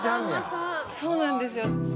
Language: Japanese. そうなんですよ。